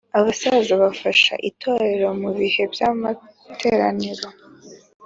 Abasaza bafasha itorero mubihe by’amateraniro